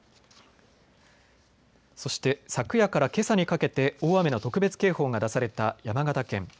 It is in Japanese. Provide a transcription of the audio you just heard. そして昨夜からけさにかけて大雨の特別警報が出された山形県。